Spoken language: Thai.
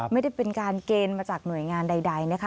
ไม่ได้เป็นการเกณฑ์มาจากหน่วยงานใดนะคะ